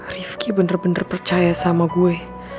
rifki bener bener percaya sama gue